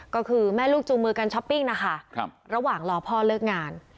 ก็คือแม่ลูกจูงมือกันช้อปปิ้งนะคะระหว่างรอพ่อเลิกงาน